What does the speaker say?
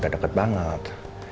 udah deket banget